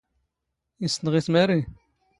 ⵉⵙ ⵜⵏⵖⵉⴷ ⵎⴰⵔⵉ?